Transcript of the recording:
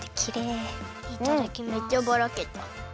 めっちゃばらけた。